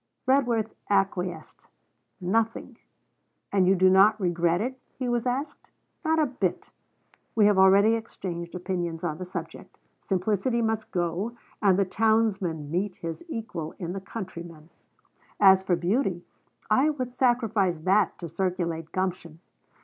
Redworth acquiesced. 'Nothing.' 'And you do not regret it?' he was asked. 'Not a bit. We have already exchanged opinions on the subject. Simplicity must go, and the townsman meet his equal in the countryman. As for beauty, I would sacrifice that to circulate gumption.